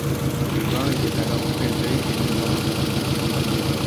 Le vin était alors prélevé et mis en amphore.